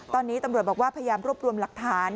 ตอนนี้ตำรวจบอกว่าพยายามรวบรวมหลักฐาน